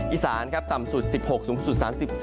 อิสานต่ำสุด๑๖องศาสูงสุด๓๔